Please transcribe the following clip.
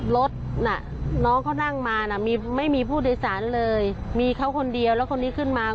รถน่ะน้องเขานั่งมาน่ะมีไม่มีผู้โดยสารเลยมีเขาคนเดียวแล้วคนนี้ขึ้นมา